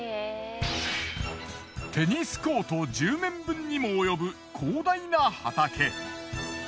テニスコート１０面分にもおよぶ広大な畑。